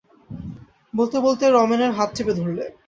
বলতে বলতে রমেনের হাত চেপে ধরলে।